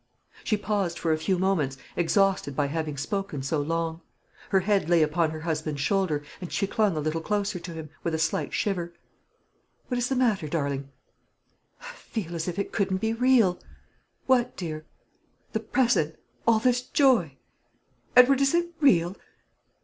She paused for a few moments, exhausted by having spoken so long. Her head lay upon her husband's shoulder, and she clung a little closer to him, with a slight shiver. "What is the matter, darling?" "I feel as if it couldn't be real." "What, dear?" "The present all this joy. Edward, is it real?